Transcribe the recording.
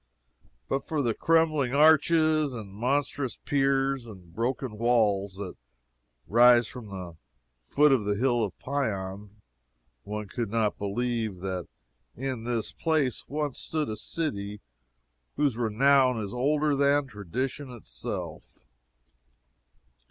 But for the crumbling arches and monstrous piers and broken walls that rise from the foot of the hill of Pion, one could not believe that in this place once stood a city whose renown is older than tradition itself.